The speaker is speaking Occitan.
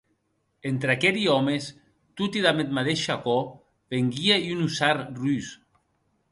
Entre aqueri òmes, toti damb eth madeish shacò, venguie un ussar rus.